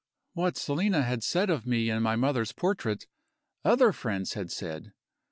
What Selina had said of me and my mother's portrait, other friends had said.